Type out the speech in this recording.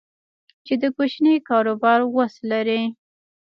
چې د کوچني کاروبار وس لري